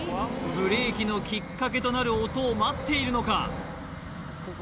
ブレーキのきっかけとなる音を待っているのか？